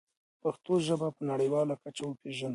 پښتو ژبه په نړیواله کچه وپېژنو.